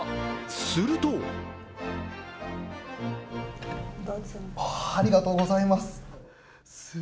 するとありがとうございます。